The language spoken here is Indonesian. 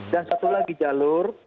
dan satu lagi jalur